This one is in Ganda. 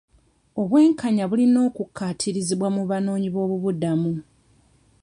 Obwenkanya bulina okukkaatirizibwa mu banoonyi b'obubudamu.